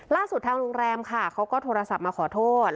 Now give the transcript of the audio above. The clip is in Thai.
ทางโรงแรมค่ะเขาก็โทรศัพท์มาขอโทษ